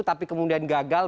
tapi kemudian gagal